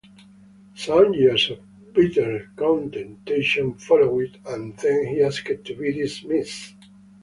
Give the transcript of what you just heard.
Some years of bitter contention followed and then he asked to be dismissed.